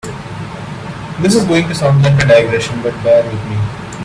This is going to sound like a digression, but bear with me.